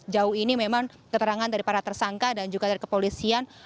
jauh ini memang keterangan dari para tersangka dan juga dari kepolisian